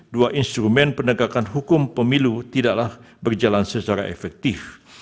dua instrumen penegakan hukum pemilu tidaklah berjalan secara efektif